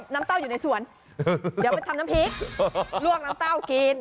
เต้าอยู่ในสวนเดี๋ยวไปทำน้ำพริกลวกน้ำเต้ากิน